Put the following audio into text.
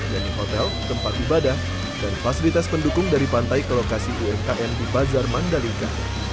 yaitu hotel tempat ibadah dan fasilitas pendukung dari pantai ke lokasi umkm di bazar mandalika